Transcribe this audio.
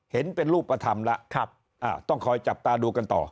เป็นรูปธรรมแล้วครับอ่าต้องคอยจับตาดูกันต่อ